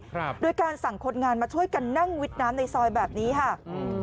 ครับโดยการสั่งคนงานมาช่วยกันนั่งวิดน้ำในซอยแบบนี้ค่ะอืม